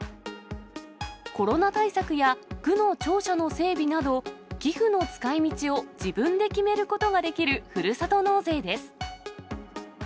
コロナ対策や区の庁舎の整備など、寄付の使いみちを自分で決めることができるふるさと納税です。